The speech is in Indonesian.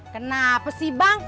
kenapa sih bang